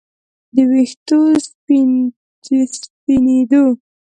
د ویښتو سپینېدو